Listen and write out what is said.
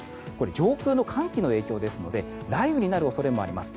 上空の寒気の影響ですので雷雨になる恐れもあります。